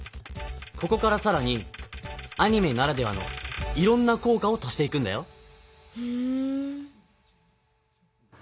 ここからさらにアニメならではのいろんなこうかを足していくんだよ。